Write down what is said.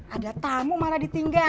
ada tamu marah ditinggalin